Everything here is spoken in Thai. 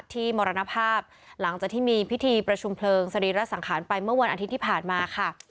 มรณภาพหลังจากที่มีพิธีประชุมเพลิงสรีระสังขารไปเมื่อวันอาทิตย์ที่ผ่านมาค่ะ